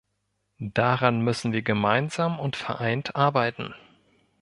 Daran müssen wir gemeinsam und vereint arbeiten.